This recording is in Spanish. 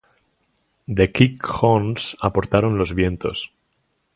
The Kick Horns aportaron los vientos.